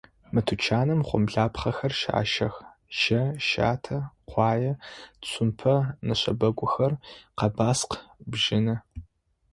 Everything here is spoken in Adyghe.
Мы тучаным гъомлапхъэхэр щащэх: щэ, щатэ, къуае, цумпэ, нэшэбэгухэр, къэбаскъ, бжьыны.